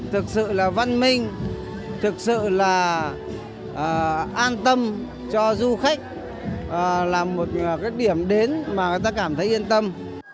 thực sự là văn minh thực sự là an tâm cho du khách là một điểm đến mà người ta cảm thấy yên tâm